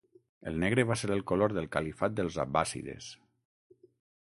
El negre va ser el color del Califat dels Abbàssides.